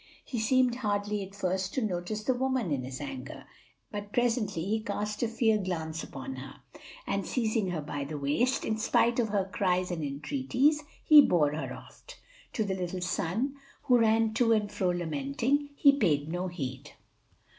He seemed hardly at first to notice the woman in his anger; but presently he cast a fierce glance upon her, and seizing her by the waist, in spite of her cries and entreaties, he bore her oft. To the little son, who ran to and fro lamenting, he paid no heed.